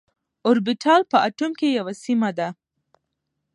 اوربيتال په اتوم کي يوه سيمه ده.